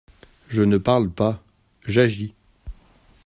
Je ne parle pas, j’agis.